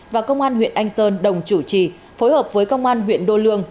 và công an huyện anh sơn đồng chủ trì phối hợp với công an huyện đô lương